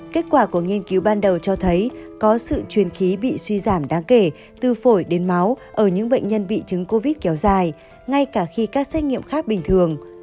kết quả của nghiên cứu ban đầu cho thấy có sự truyền khí bị suy giảm đáng kể từ phổi đến máu ở những bệnh nhân bị chứng covid kéo dài ngay cả khi các xét nghiệm khác bình thường